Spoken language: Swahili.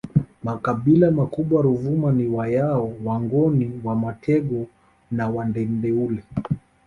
Makabila makubwa Ruvuma ni Wayao Wangoni Wamatengo na Wandendeule